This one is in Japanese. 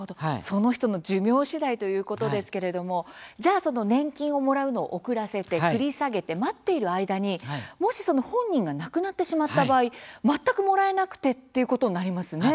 その人の寿命しだいということですけれどもじゃあ、その年金をもらうのを遅らせて、繰り下げて待っている間に、もしその本人が亡くなってしまった場合全くもらえなくてっていうことになりますね。